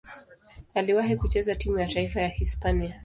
Aliwahi kucheza timu ya taifa ya Hispania.